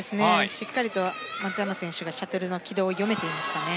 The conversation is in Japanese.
しっかりと松山選手がシャトルの軌道を読めていましたね。